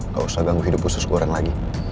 gak usah ganggu hidup khusus goreng lagi